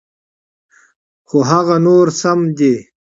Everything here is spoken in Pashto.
خو هغه نور سم دي.